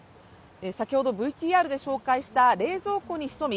先ほどＶＴＲで紹介した冷蔵庫に潜み